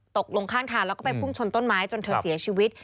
ตกลงข้างทางแล้วก็ไปพุ่งชนต้นไม้จนเธอเสียชีวิต